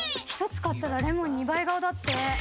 １つ買ったらレモン２倍顔だって。